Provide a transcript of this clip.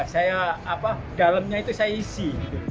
saya apa dalamnya itu saya isi